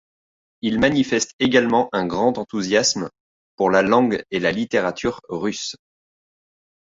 Il manifeste également un grand enthousiasme pour la langue et la littérature russes.